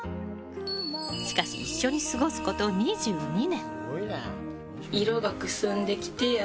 しかし一緒に過ごすこと２２年。